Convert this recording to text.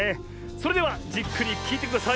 それではじっくりきいてください。